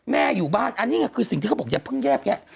อยู่บ้านอันนี้ไงคือสิ่งที่เขาบอกอย่าเพิ่งแยกแยะ